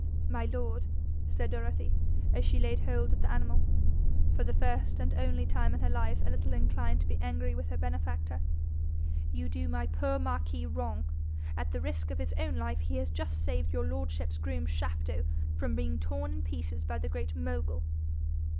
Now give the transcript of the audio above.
'My lord,' said Dorothy, as she laid hold of the animal, for the first and only time in her life a little inclined to be angry with her benefactor, 'you do my poor Marquis wrong. At the risk of his own life he has just saved your lordship's groom, Shafto, from being torn in pieces by the Great Mogul.'